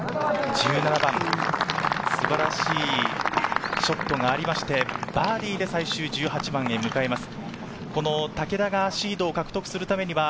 １７番、素晴らしいショットがあって、バーディーで最終１８番へ向かいます。